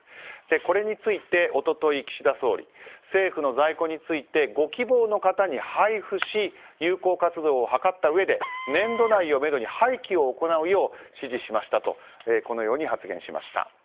これについて一昨日、岸田総理政府の在庫についてご希望の方に配布し有効活用を図ったうえで年度内をめどに廃棄を行うよう指示しましたとこのように発言しました。